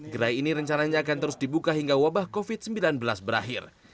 gerai ini rencananya akan terus dibuka hingga wabah covid sembilan belas berakhir